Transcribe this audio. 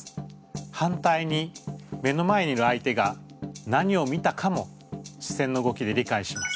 反対に目の前にいる相手が何を見たかも視線の動きで理解します。